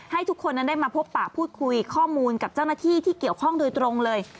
ให้ทุกคนนั้นได้มาพบปะพูดคุยข้อมูลกับเจ้าหน้าที่ที่เกี่ยวข้องโดยตรงเลย